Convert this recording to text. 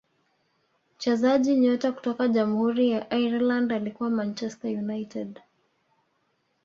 mchezaji nyota kutoka jamhuri ya ireland alikuwa manchester united